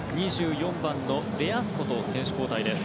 ２４番のレアスコと選手交代です。